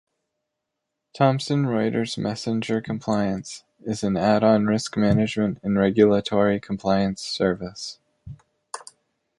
Thomson Reuters Messenger Compliance is an add-on risk management and regulatory compliance service.